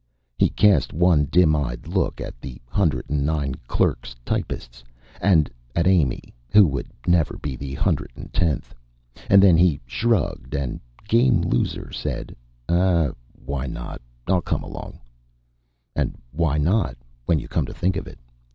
He cast one dim eyed look at the hundred and nine "clerks, typists" and at Amy, who would never be the hundred and tenth. And then he shrugged and, game loser, said: "Ah, why not? I'll come along." And why not, when you come to think of it?